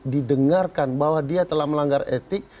didengarkan bahwa dia telah melanggar etik